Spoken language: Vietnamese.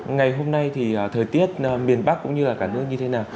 ngày hôm nay thì thời tiết miền bắc cũng như là cả nước như thế nào